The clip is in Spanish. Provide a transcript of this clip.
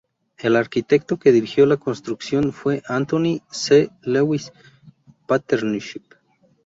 El arquitecto que dirigió la construcción fue Anthony C. Lewis Partnership.